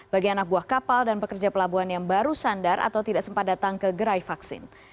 bagi anak buah kapal dan pekerja pelabuhan yang baru sandar atau tidak sempat datang ke gerai vaksin